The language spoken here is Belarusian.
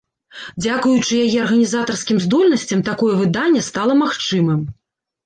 Дзякуючы яе арганізатарскім здольнасцям такое выданне стала магчымым.